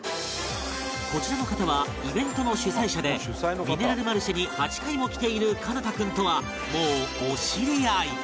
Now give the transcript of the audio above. こちらの方はイベントの主催者でミネラルマルシェに８回も来ている奏汰君とはもうお知り合い